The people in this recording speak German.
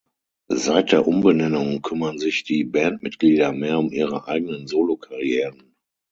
Seit der Umbenennung kümmern sich die Bandmitglieder mehr um ihre eigenen Solokarrieren.